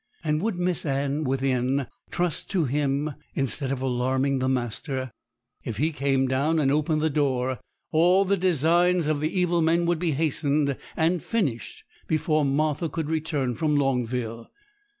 And would Miss Anne within trust to him instead of alarming the master? If he came down and opened the door, all the designs of the evil men would be hastened and finished before Martha could return from Longville.